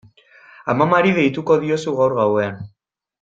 Amamari deituko diozu gaur gauean.